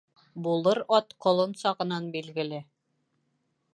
Булыр ат ҡолон сағынан билгеле